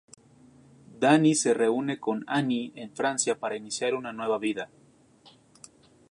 Danny se reúne con Anne en Francia para iniciar una nueva vida.